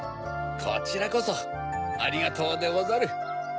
こちらこそありがとうでござる。